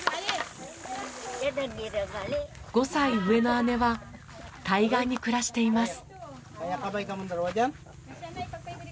５歳上の姉は対岸に暮らしています。